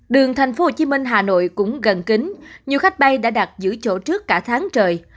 đường tp hcm hà nội cũng gần kính nhiều khách bay đã đặt giữ chỗ trước cả tháng trời